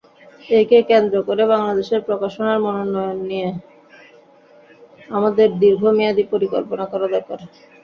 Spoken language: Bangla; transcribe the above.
একে কেন্দ্র করে বাংলাদেশের প্রকাশনার মানোন্নয়ন নিয়ে আমাদের দীর্ঘমেয়াদি পরিকল্পনা করা দরকার।